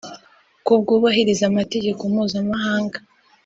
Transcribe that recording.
ko bwubahiriza amategeko mpuzamahanga